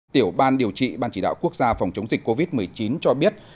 tiểu ban điều trị ban chỉ đạo quốc gia phòng chống dịch covid một mươi chín cho biết